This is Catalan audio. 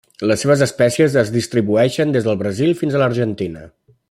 Les seves espècies es distribueixen des del Brasil fins a l'Argentina.